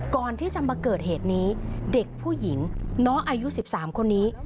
ก่อนที่จะมาเกิดเหตุนี้เด็กผู้หญิงน้องอายุ๑๓คนนี้